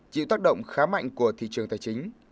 chịu tác động khá mạnh của thị trường tài chính